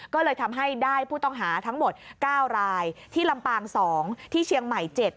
ก็เลยทำให้ได้ผู้ต้องหาทั้งหมด๙รายที่ลำปาง๒ที่เชียงใหม่๗